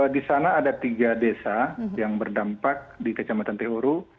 di sana ada tiga desa yang berdampak di kecamatan tehuru